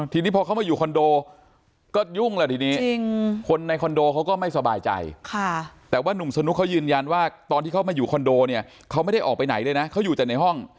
ทีนี้พอเขามาอยู่คอนโดก็ยุ่งแล้วทีนี้คนในคอนโดเขาก็ไม่สบายใจแต่ว่านุ่มสนุกเขายืนยันว่าตอนที่เขามาอยู่คอนโดเนี่ยเขาไม่ได้ออกไปไหนเลยนะเขาอยู่แต่ในห้อง